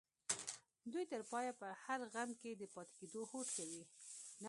دوی تر پايه په هر غم کې د پاتې کېدو هوډ کوي.